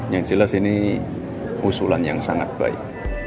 yang jelas ini usulan yang sangat baik